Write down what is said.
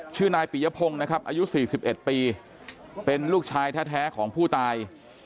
ชื่อนายปิยพงศ์นะครับอายุ๔๑ปีเป็นลูกชายแท้ของผู้ตาย